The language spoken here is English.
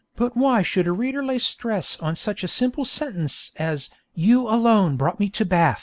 but why should a reader lay stress on such a simple sentence as 'You alone brought me to Bath'?